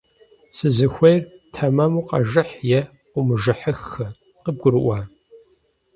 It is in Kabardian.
- Сызыхуейр - тэмэму къэжыхь, е къыумыжыхьыххэ! КъыбгурыӀуа?!